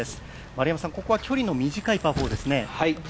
丸山さん、ここは距離の短いパー４ですね。